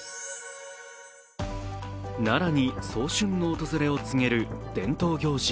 奈良に早春の訪れを告げる伝統行事